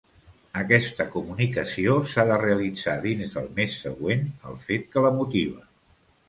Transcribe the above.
Aquesta comunicació s'ha de realitzar dins del mes següent al fet que la motiva.